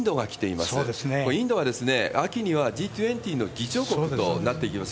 これ、インドは秋にはＧ２０の議長国となっていきます。